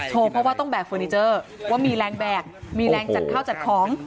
เพราะว่าต้องแบกเฟอร์นิเจอร์ว่ามีแรงแบกมีแรงจัดข้าวจัดของ